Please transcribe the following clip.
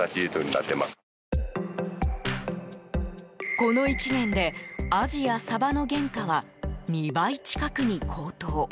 この１年でアジやサバの原価は２倍近くに高騰。